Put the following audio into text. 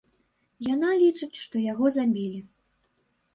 Яна лічыць, што яго забілі.